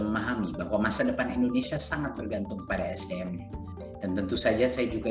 memahami bahwa masa depan indonesia sangat bergantung pada sdm dan tentu saja saya juga